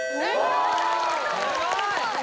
・すごい！